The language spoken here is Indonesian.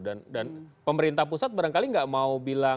dan pemerintah pusat barangkali nggak mau bilang